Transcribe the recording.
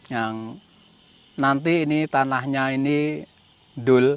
yang nanti ini tanahnya ini dul